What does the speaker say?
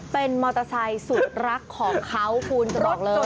เป็นมอเตอร์ไซค์สุดรักของเขาคุณจะบอกเลย